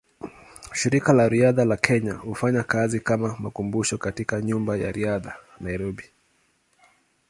Shirika la Riadha la Kenya hufanya kazi kama makumbusho katika Nyumba ya Riadha, Nairobi.